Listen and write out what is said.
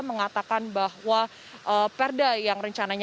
mengatakan bahwa perda yang rencananya